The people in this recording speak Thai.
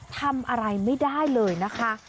ทำอะไรไม่ได้เลยนะคะ